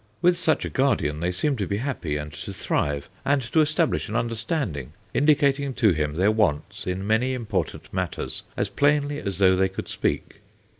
With such a guardian they seem to be happy, and to thrive, and to establish an understanding, indicating to him their wants in many important matters as plainly as though they could speak."